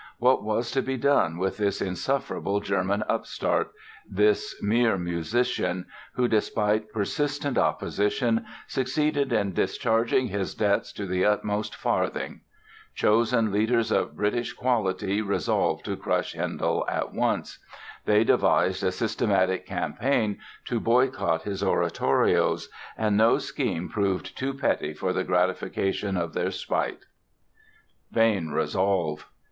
What was to be done with this insufferable German upstart, this mere musician, who despite persistent opposition succeeded in discharging his debts to the uttermost farthing? Chosen leaders of British 'quality' resolved to crush Handel at once. They devised a systematic campaign to boycott his oratorios, and no scheme proved too petty for the gratification of their spite." Vain resolve!